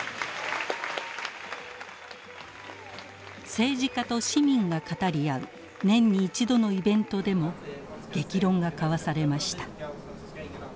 政治家と市民が語り合う年に一度のイベントでも激論が交わされました。